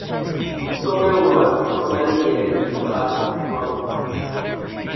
The sawmill was, for many years, the largest in the world.